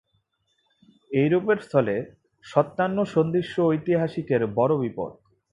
এইরূপ স্থলে সত্যানুসন্ধিৎসু ঐতিহাসিকের বড় বিপদ।